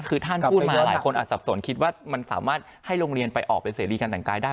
คือท่านพูดมาหลายคนอาจสับสนคิดว่ามันสามารถให้โรงเรียนไปออกเป็นเสรีการแต่งกายได้